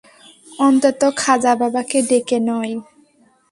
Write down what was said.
অন্তত খাজা বাবাকে ডেকে নয়।